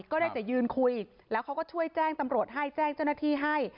ก็ได้แต่ยืนคุยแล้วเขาก็ช่วยแจ้งตำรวจให้แจ้งเจ้าหน้าที่ให้